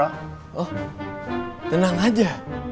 oh tenang aja